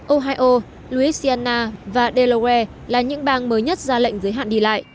ohio luisiana và delaware là những bang mới nhất ra lệnh giới hạn đi lại